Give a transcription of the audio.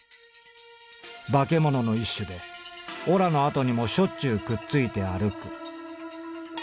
『化け物の一種でおらのあとにもしょっちゅうくっついて歩く』」。